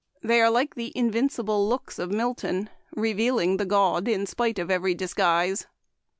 They are like the 'invincible looks' of Mil ton, revealing the god in spite of every dis guise.